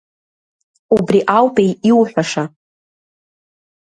Убри аупеи иуҳәаша!